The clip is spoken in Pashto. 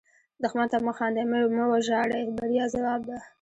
دښمن ته مه خاندئ، مه وژاړئ – بریا یې ځواب ده